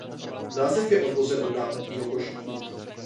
Název je odvozen od nákupního košíku.